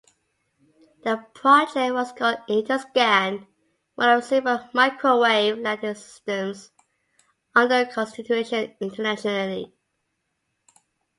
The project was called Interscan, one of several microwave landing systems under consideration internationally.